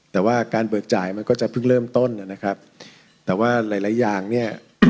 แต่ว่าการเบิกจ่ายมันก็จะเพิ่งเริ่มต้นนะครับแต่ว่าหลายหลายอย่างเนี่ย